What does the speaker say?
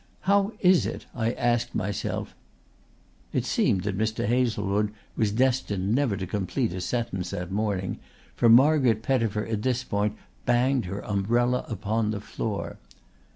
How is it, I asked myself " It seemed that Mr. Hazlewood was destined never to complete a sentence that morning, for Margaret Pettifer at this point banged her umbrella upon the floor.